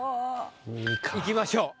いきましょう。